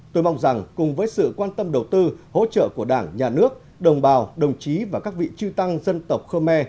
tôi mong rằng cùng với sự quan tâm đầu tư hỗ trợ của đảng nhà nước đồng bào đồng chí và các vị trư tăng dân tộc khơ me